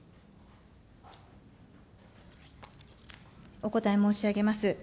お答え申し上げます。